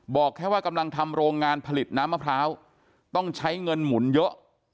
บอกแค่ว่ากำลังทำโรงงานผลิตน้ำมะพร้าวต้องใช้เงินหมุนเยอะ